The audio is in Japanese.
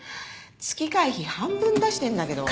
月会費半分出してるんだけど。